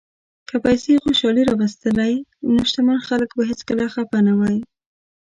که پیسې خوشالي راوستلی، نو شتمن خلک به هیڅکله خپه نه وای.